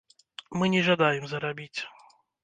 Мы не жадаем зарабіць!